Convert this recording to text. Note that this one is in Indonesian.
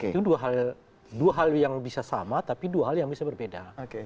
itu dua hal yang bisa sama tapi dua hal yang bisa berbeda